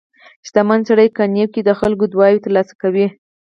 • شتمن سړی که نیک وي، د خلکو دعاوې ترلاسه کوي.